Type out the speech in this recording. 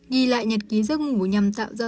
ghi lại nhật ký giấc ngủ nhằm tạo ra